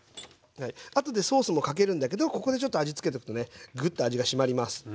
あとでソースもかけるんだけどここでちょっと味つけとくねグッと味が締まります。